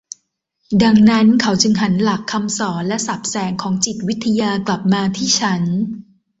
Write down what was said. ดังนั้นเขาจึงหันหลักคำสอนและศัพท์แสงของจิตวิทยากลับมาที่ฉัน